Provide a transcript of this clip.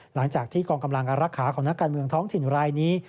หลังจากที่กองกำลังอารักษาของนักการเมืองท้องถิ่นรายนี้